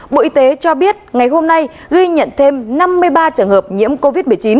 bộ y tế cho biết ngày hôm nay ghi nhận thêm năm mươi ba trường hợp nhiễm covid một mươi chín